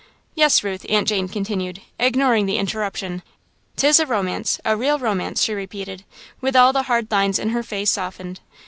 "Yes, Ruth," Aunt Jane continued, ignoring the interruption, "'t is a romance a real romance," she repeated, with all the hard lines in her face softened.